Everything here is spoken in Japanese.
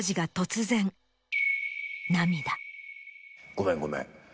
ごめんごめん。